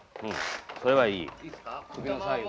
それはいい。